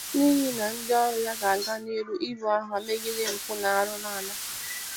n'ihi na ndị ọrụ ya ga-aga n'ihu ibu agha megide mpụ na arụrụala.